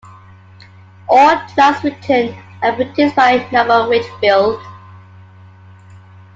All tracks written and produced by Norman Whitfield.